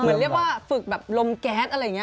เหมือนเรียกว่าฝึกแบบลมแก๊สอะไรอย่างนี้